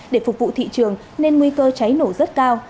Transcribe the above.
để phục vụ thị trường nên nguy cơ cháy nổ rất cao